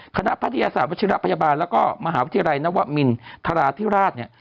คณะภาษีอาสารวจิรัตน์พยาบาลแล้วก็มหาวิทยาลัยนวมินทราธิราช